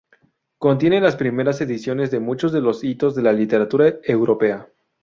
Contiene las primeras ediciones de muchos de los hitos de la literatura europea.